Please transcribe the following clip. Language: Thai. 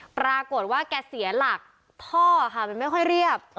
ปรากฏว่าแกเสียหลักท่อค่ะมันไม่ค่อยเรียบ